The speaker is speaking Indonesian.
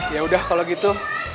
yaudah kalau gitu